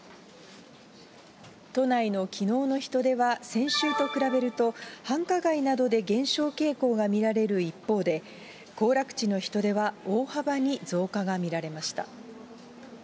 都内のきのうの人出は先週と比べると、繁華街などで減少傾向が見られる一方で、行楽地の人出は大幅に増加が見られました。